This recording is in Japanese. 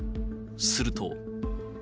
すると。